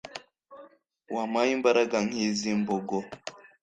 wampaye imbaraga nk'iz'imbogo